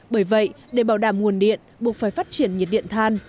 bởi vậy để bảo đảm nguồn điện buộc phải phát triển nhiệt điện than